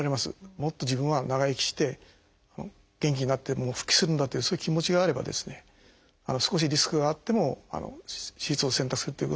もっと自分は長生きして元気になって復帰するんだというそういう気持ちがあればですね少しリスクがあっても手術を選択するということは可能だと思います。